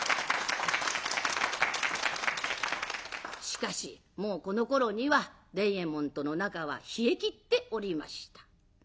しかしもうこのころには伝右衛門との仲は冷えきっておりました。